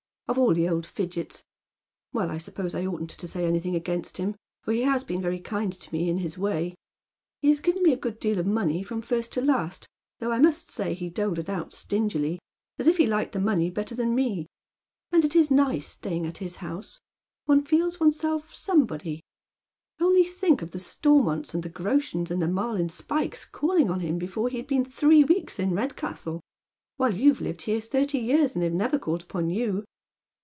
Of all the old fidgets ! Well, 1 suppose I oughtn't to say anything against him, for he has been very kind to me in his way. lie has given me a good deal of money from first to last, tliough I must say he doled it out stingily, as if he liked the money better than me ; and it is nice staying at his house — one feels one's self somebody. Only think of the Stormonts, and the Groshens and the Marlin Spykes calling on him before he had been tluee weeks in Redcastle, while you've lived here thirty years and they've never called upon you."